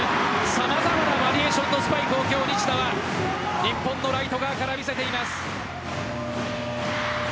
様々なバリエーションのスパイクを今日、西田は日本のライト側から見せています。